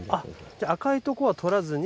じゃあ赤いとこは採らずに。